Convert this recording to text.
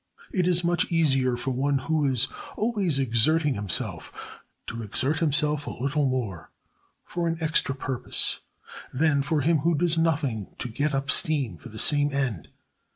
It is much easier for one who is always exerting himself to exert himself a little more for an extra purpose than for him who does nothing to get up steam for the same end.